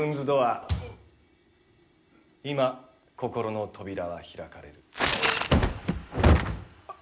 今心の扉は開かれる。